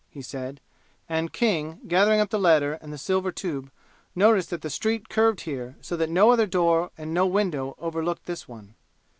he said, and King, gathering up the letter and the silver tube, noticed that the street curved here so that no other door and no window overlooked this one.